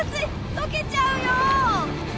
溶けちゃうよ！